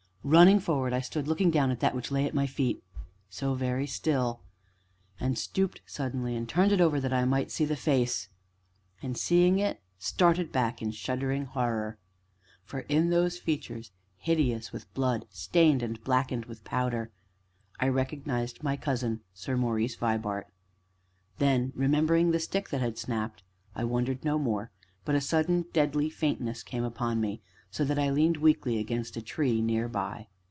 Running forward, I stood looking down at that which lay at my feet so very still; and stooped suddenly, and turned it over that I might see the face; and, seeing it, started back in shuddering horror. For, in those features hideous with blood, stained and blackened with powder, I recognized my cousin Sir Maurice Vibart. Then, remembering the stick that had snapped, I wondered no more, but a sudden deadly faintness came upon me so, that I leaned weakly against a tree near by.